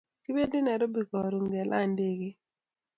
Kipendi nairobi karun kelan ndegeit .